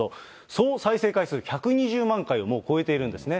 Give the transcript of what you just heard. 総再生回数１２０万回をもう超えているんですね。